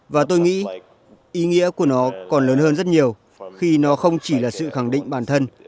và tôi nghĩ ý nghĩa của nó còn lớn hơn rất nhiều khi nó không chỉ là sự khẳng định bản thân